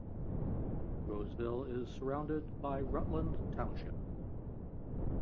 Roseville is surrounded by Rutland Township.